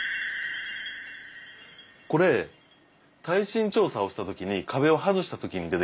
これ耐震調査をした時に壁を外した時に出てきたんです。